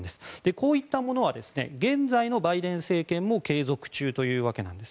こうしたものは現在のバイデン政権も継続中ということです。